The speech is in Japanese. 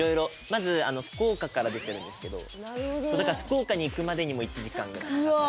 まず福岡から出てるんですけどそうだから福岡に行くまでにも１時間ぐらいかかった。